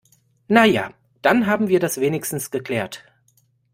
Na ja, dann haben wir das wenigstens geklärt.